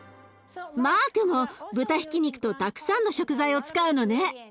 マークも豚ひき肉とたくさんの食材を使うのね。